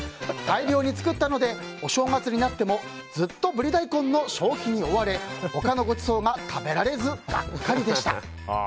大量に作ったのでお正月になってもずっとブリ大根の消費に追われ他のごちそうが食べられずガッカリでした。